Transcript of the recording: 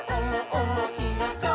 おもしろそう！」